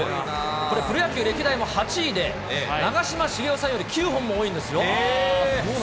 これ、プロ野球歴代も８位で、長嶋茂雄さんより９本も多いんですよ。